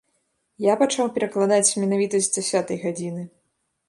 Я пачаў перакладаць менавіта з дзясятай гадзіны.